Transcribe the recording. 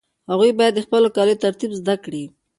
هغوی باید د خپلو کاليو ترتیب زده کړي.